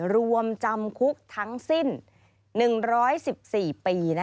รวมจำคุกทั้งสิ้น๑๑๔ปี